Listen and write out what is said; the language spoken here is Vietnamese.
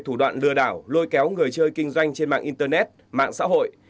thủ đoạn lừa đảo lôi kéo người chơi kinh doanh trên mạng internet mạng xã hội